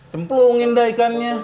templungin dah ikannya